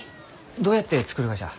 どうやって作るがじゃ？